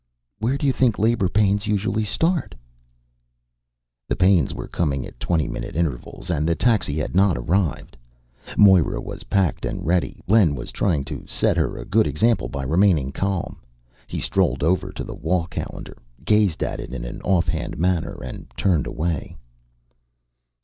"Where do you think labor pains usually start?" The pains were coming at twenty minute intervals and the taxi had not arrived. Moira was packed and ready. Len was trying to set her a good example by remaining calm. He strolled over to the wall calendar, gazed at it in an offhand manner, and turned away.